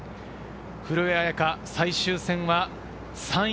古江彩佳の最終戦は３位